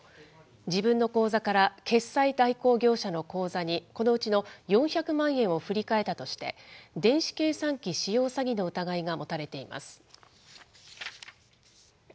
自分の口座から決済代行業者の口座にこのうちの４００万円を振り替えたとして、電子計算機使用詐欺の疑いが持たれています。